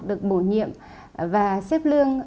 được bổ nhiệm và xếp lương